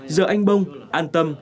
giờ anh bông an tâm